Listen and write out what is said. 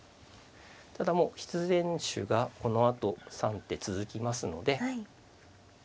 ただもう必然手がこのあと３手続きますので。